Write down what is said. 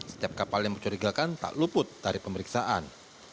setiap kapal yang mencurigakan tak luput dari pemeriksaan